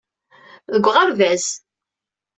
Deg uɣerbaz.